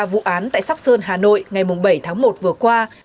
đối tượng đã đến tại sóc sơn hà nội ngày bảy tháng một vừa qua